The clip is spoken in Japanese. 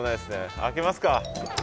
開けますか。